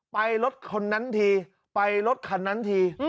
ไปรถคนนั้นทีไปรถคันนั้นที